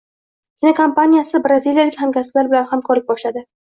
Kinokompaniyasi braziliyalik hamkasblari bilan hamkorlik boshladi